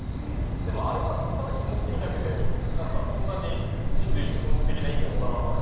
でもあれはただ気持ちいいだけで何かそんなに人類に本質的な意味をもたらさないので。